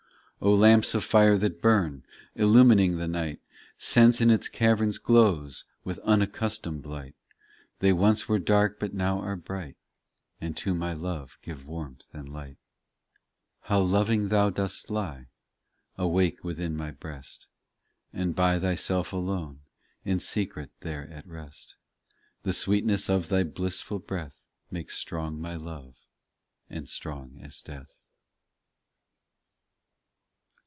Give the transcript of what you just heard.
O lamps of fire that burn, Illumining the night, Sense in its caverns glows With unaccustomed light. They once were dark but now are bright, And to my Love give warmth and light. How loving Thou dost lie Awake within my breast, And by Thyself alone, In secret there at rest. The sweetness of Thy blissful breath Makes strong my love ; and strong as death.